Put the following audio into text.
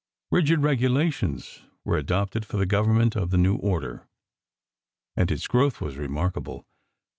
Rigid regulations were adopted for the government of the new order, and its growth was remarkable.